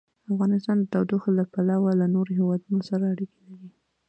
افغانستان د تودوخه له پلوه له نورو هېوادونو سره اړیکې لري.